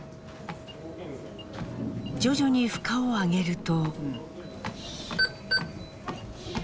徐々に負荷を上げると。